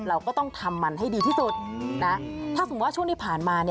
เราก็ต้องทำมันให้ดีที่สุดนะถ้าสมมุติว่าช่วงที่ผ่านมา